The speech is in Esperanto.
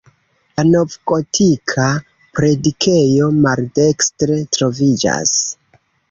La novgotika predikejo maldekstre troviĝas.